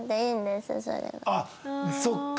あっそっか！